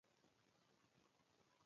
چې د عیش په بزم کې شراب اخلې.